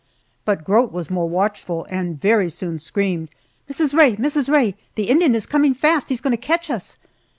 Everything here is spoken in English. But Grote was more watchful, and very soon screamed, "Mrs. Rae, Mrs. Rae, the Indian is coming fast he's going to catch us!"